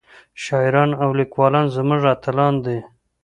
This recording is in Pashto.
شاعران او ليکوال زمونږ اتلان دي